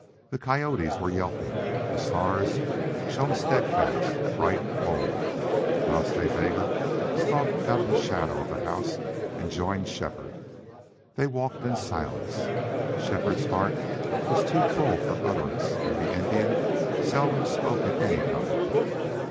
The coyotes were yelping. The stars shone steadfast, bright, cold. Nas Ta Bega stalked out of the shadow of the house and joined Shefford. They walked in silence. Shefford's heart was too full for utterance and the Indian seldom spoke at any time.